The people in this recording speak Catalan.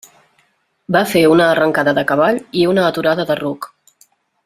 Va fer una arrencada de cavall i una aturada de ruc.